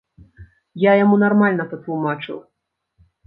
Я яму нармальна патлумачыў.